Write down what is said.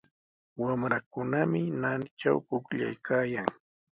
Wamrakunami naanitraw pukllaykaayan.